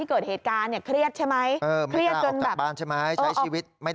เอออืม